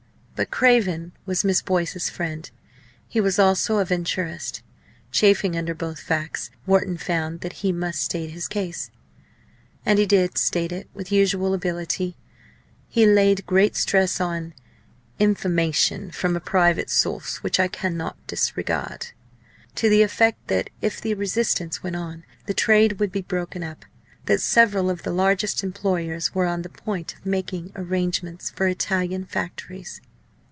But Craven was Miss Boyce's friend; he was also a Venturist. Chafing under both facts, Wharton found that he must state his case. And he did state it with his usual ability. He laid great stress on "information from a private source which I cannot disregard," to the effect that, if the resistance went on, the trade would be broken up; that several of the largest employers were on the point of making arrangements for Italian factories.